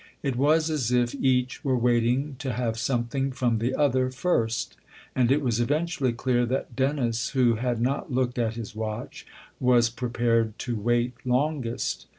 It was as if each were waiting to have something from the other first, and it was eventually clear that Dennis, who had not looked at his watch, was prepared to wait longest.